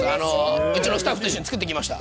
うちのスタッフと作ってきました。